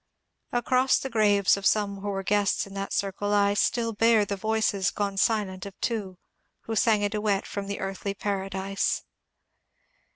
Across the graves of some who were guests in that circle I still hear the voices gone silent of two who sang a duet from " The Earthly Paradise."